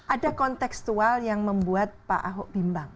ada konteksual yang membuat pak ahok bimbang